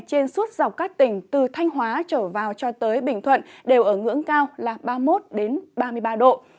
trên suốt dọc các tỉnh từ thanh hóa trở vào cho tới bình thuận đều ở ngưỡng cao là ba mươi một ba mươi ba độ